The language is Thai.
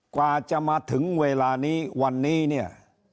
กว่าจะมาถึงเวลานี้วันนี้เนี่ย